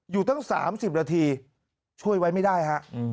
อยู่ตั้ง๓๐นาทีช่วยไว้ไม่ได้ฮะ